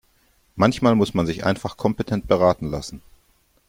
Manchmal muss man sich einfach kompetent beraten lassen.